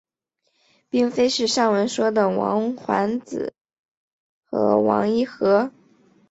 并非是上文说的王桓之子王尹和。